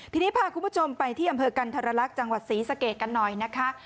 ทีนี้พาคุณผู้ชมไปที่อำเภอกันธรรลักษณ์จังหวัดศรีสะเกดกันหน่อยนะคะ